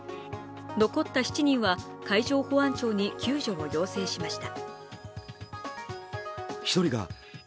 残った７人は海上保安庁に救助を要請しました。